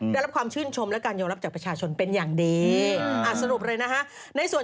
และรับความชื่นชมและการยอมรับจากประชาชนเป็นอย่างดี